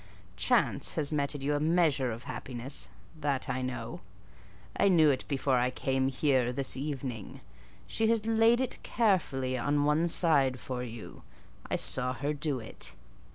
Chance has meted you a measure of happiness: that I know. I knew it before I came here this evening. She has laid it carefully on one side for you. I saw her do it.